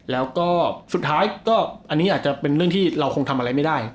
แล้วก็สุดท้ายก็อันนี้อาจจะเป็นเรื่องที่เราคงทำอะไรไม่ได้